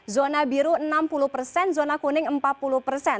zona biru enam puluh persen zona kuning empat puluh persen